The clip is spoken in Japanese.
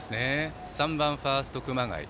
３番、ファースト熊谷。